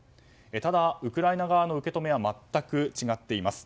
ただ、ウクライナ側の受け止めは全く違っています。